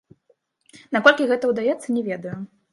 Наколькі гэта ўдаецца, не ведаю.